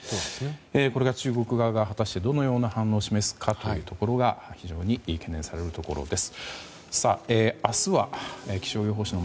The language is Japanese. これが中国側が果たしてどのような反応を示すか非常に懸念されるところです。